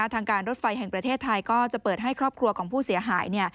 ทางการรถไฟแห่งประเทศไทยก็จะเปิดให้ครอบครัวของผู้เสียหาย